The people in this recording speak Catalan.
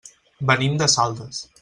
Venim de Saldes.